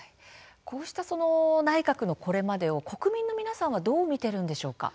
こうした内閣のこれまでを国民の皆さんはどう見ているんでしょうか。